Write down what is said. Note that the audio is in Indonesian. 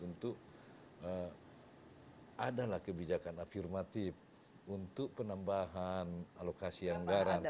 untuk adalah kebijakan afirmatif untuk penambahan alokasi anggaran